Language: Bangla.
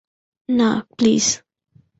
না, প্লিজ।